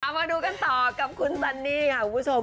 มาดูกันต่อกับคุณซันนี่ค่ะคุณผู้ชม